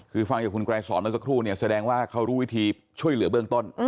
คือฟังจากคุณไกรสอนเมื่อสักครู่เนี่ยแสดงว่าเขารู้วิธีช่วยเหลือเบื้องต้น